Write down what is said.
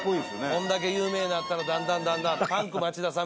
こんだけ有名になったらだんだんだんだん速さ！